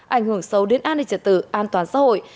ảnh hưởng sâu đến an ninh trật tự an toàn xã hội